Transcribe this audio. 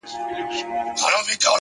لوړ همت ناامیدي کمزورې کوي,